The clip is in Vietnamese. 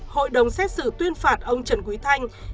hội đồng xét xử tuyên phạt ông trần quý thanh